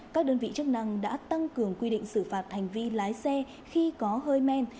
các đơn vị chức năng đã tăng cường quy định xử phạt hành vi lái xe khi có hơi men